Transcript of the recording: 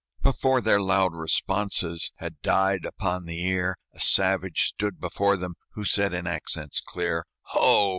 Before their loud responses Had died upon the ear, A savage stood before them, Who said, in accents clear, "Ho!